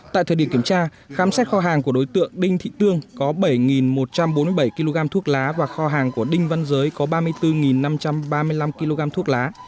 tại thời điểm kiểm tra khám xét kho hàng của đối tượng đinh thị tương có bảy một trăm bốn mươi bảy kg thuốc lá và kho hàng của đinh văn giới có ba mươi bốn năm trăm ba mươi năm kg thuốc lá